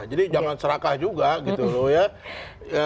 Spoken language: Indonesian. jadi jangan serakah juga gitu loh ya